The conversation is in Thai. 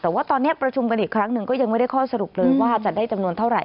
แต่ว่าตอนนี้ประชุมกันอีกครั้งหนึ่งก็ยังไม่ได้ข้อสรุปเลยว่าจะได้จำนวนเท่าไห